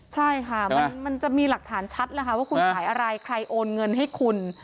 ใช่ค่ะมันจะมีหลักฐานชัดแล้วค่ะว่าคุณขายอะไรใครโอนเงินให้คุณ